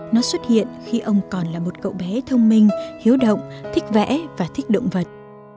nó xuất hiện khi ông còn là một cậu bé thông minh hiếu động thích vẽ và thích động vật